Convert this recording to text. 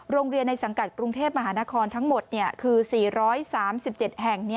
ในสังกัดกรุงเทพมหานครทั้งหมดคือ๔๓๗แห่ง